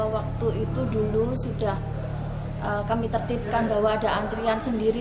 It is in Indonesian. waktu itu dulu sudah kami tertipkan bahwa ada antrian sendiri